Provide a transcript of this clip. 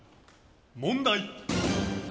問題！